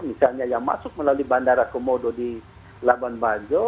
misalnya yang masuk melalui bandara komodo di labuan bajo